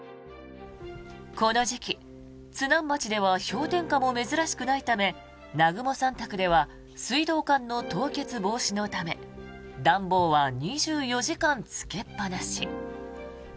この時期、津南町では氷点下も珍しくないため南雲さん宅では水道管の凍結防止のため暖房は２４時間つけっぱなし。